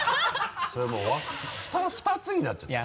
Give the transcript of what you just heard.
それもう２つになっちゃってる。